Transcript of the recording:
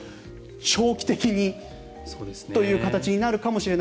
長期的にという形になるかもしれない。